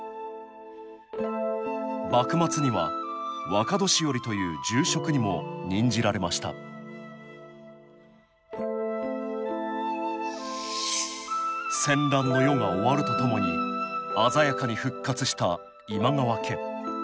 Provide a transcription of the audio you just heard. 幕末には若年寄という重職にも任じられました戦乱の世が終わるとともに鮮やかに復活した今川家。